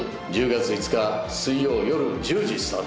１０月５日水曜夜１０時スタート。